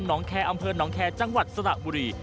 น้องแคร์อำเภอหนองแคร์จังหวัดสระบุรี